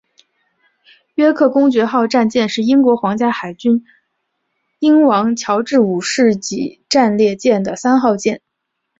约克公爵号战舰是英国皇家海军英王乔治五世级战列舰的三号舰。